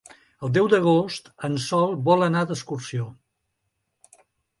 El deu d'agost en Sol vol anar d'excursió.